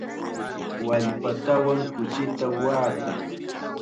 Wallpatawan kuchita waatan.